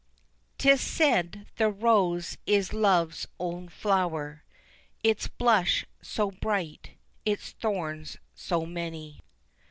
"'Tis said the rose is Love's own flower, Its blush so bright its thorns so many."